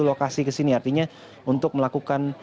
lokasi ke sini artinya untuk melakukan